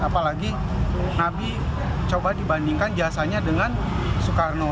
apalagi nabi coba dibandingkan jasanya dengan soekarno